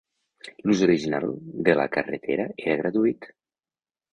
L'ús original de la carretera era gratuït.